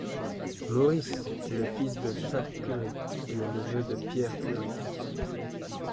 Maurice est le fils de Jacques Curie et le neveu de Pierre Curie.